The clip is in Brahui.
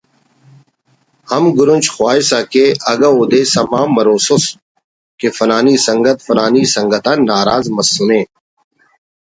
ہم گرنچ خواہسکہ اگہ اودے سما مروسس کہ فلانی سنگت فلانی سنگت آن ناراض مسنے